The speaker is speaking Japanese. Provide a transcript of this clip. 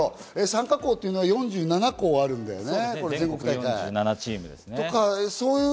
参加校っていうのは４７校あるんだよね？